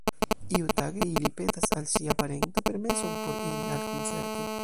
Iutage, ili petas al sia parento permeson por iri al koncerto.